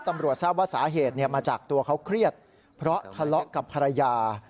ตำรวจทราบว่าสาเหตุมาจากตัวเขาเครียดเพราะทะเลาะกับภรรยา